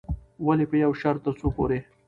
ولې په يوه شرط، ترڅو پورې